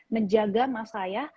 menjaga mahasiswa saya